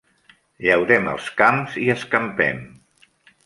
Llaurem els camps i escampem.